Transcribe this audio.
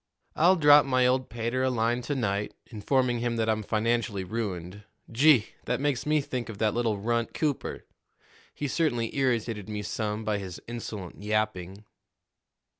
"I'll drop my old pater a line to night, informing him that I'm financially ruined. Gee! that makes me think of that little runt, Cooper! He certainly irritated me some by his insolent yapping."